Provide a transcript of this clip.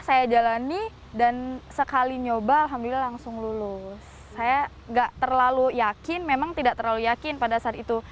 saya tidak terlalu yakin memang tidak terlalu yakin pada saat itu